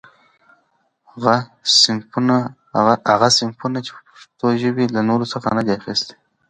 غه صنفونه، چي پښتوژبي له نورڅخه نه دي اخستي.